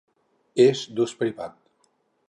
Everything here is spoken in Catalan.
És d'ús privat.